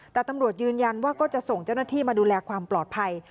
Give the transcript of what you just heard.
แต่ตำรวจยืนยันว่าก็จะส่งเจ้าหน้าที่มาดูแลความปลอดภัย